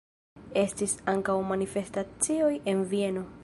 Estis ankaŭ manifestacioj en Vieno.